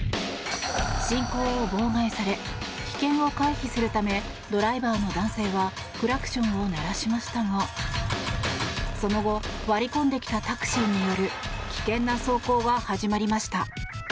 進行を妨害され危険を回避するためドライバーの男性はクラクションを鳴らしましたがその後、割り込んできたタクシーによる危険な走行が始まりました。